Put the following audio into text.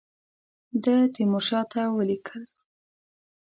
ده تیمورشاه ته ولیکل.